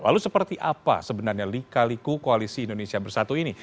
lalu seperti apa sebenarnya lika liku koalisi indonesia bersatu ini